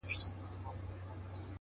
هوښیار فکر د راتلونکي لپاره چمتو وي’